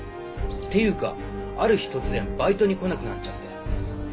っていうかある日突然バイトに来なくなっちゃって。